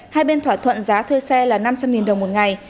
hai bên thỏa thuận giá thuê xe là năm trăm linh đồng một ngày